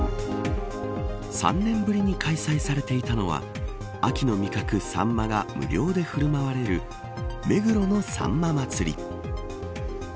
３年ぶりに開催されていたのは秋の味覚サンマが無料で振るまわれる目黒のさんま祭。